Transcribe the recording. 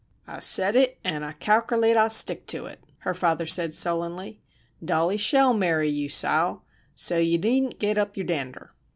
"I've sed it an' I calkerlate I'll stick ter it," her father said, sullenly. "Dollie shell marry yew, Sile, so yew needn't git up yewr dander!"